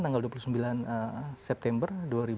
tanggal dua puluh sembilan september